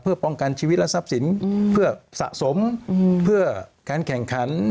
เพื่อป้องกันชีวิตและทรัพย์สินเพื่อสะสมเพื่อการแข่งขัน